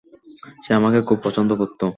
সে আমাকে খুব পছন্দ করতো।